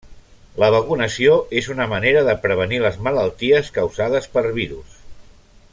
La vacunació és una manera de prevenir les malalties causades per virus.